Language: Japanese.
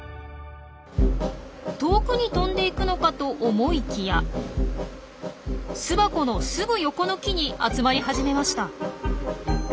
遠くに飛んでいくのかと思いきや巣箱のすぐ横の木に集まり始めました。